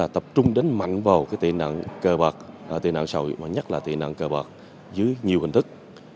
tập trung đến mạnh vào tiện nặng cờ bật tiện nặng sầu nhất là tiện nặng cờ bật dưới nhiều hình thức